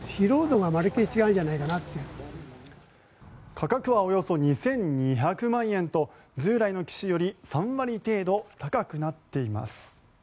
価格はおよそ２２００万円と従来の機種より３割程度高くなっています。